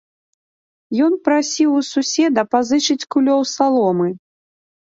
Ён прасіў у суседа пазычыць кулёў саломы.